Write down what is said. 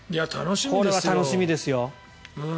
これは楽しみですよ。